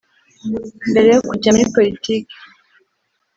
Mbere yo kujya muri politike